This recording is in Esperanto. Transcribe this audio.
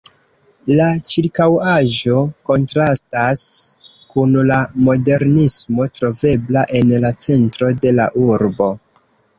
La ĉirkaŭaĵo kontrastas kun la modernismo trovebla en la centro de la urbo.